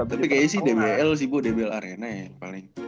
tapi kayaknya sih dbl sih bu dbl arena ya paling